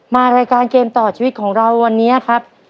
มารายการเกมต่อชีวิตของเราวันนี้ครับ